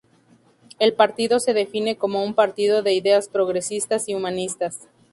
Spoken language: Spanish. El partido se define como un partido de ideas progresistas y humanistas.